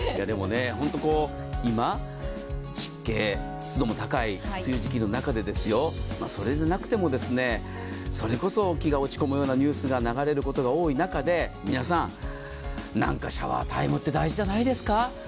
今、湿気、湿度も高い梅雨時期の中でそれでなくても、それこそ気が落ち込むようなニュースが流れることが多い中で、皆さん、なんかシャワータイムって大事じゃないですか？